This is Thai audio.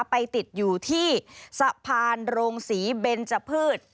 ไปติดอยู่ที่สะพานโรงศรีเบนจพืช